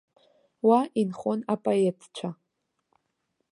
Уа инхон апоетцәа.